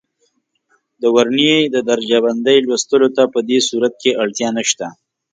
د ورنیې د درجه بندۍ لوستلو ته په دې صورت کې اړتیا نه شته.